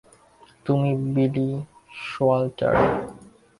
তুমি বিলি শোয়ালটার।